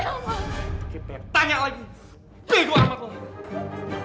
cukup cindisan dan perasaan rencana